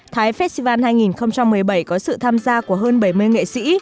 thái festival hai nghìn một mươi bảy có sự tham gia của hơn bảy mươi nghệ sĩ